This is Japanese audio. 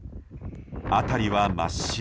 辺りは真っ白。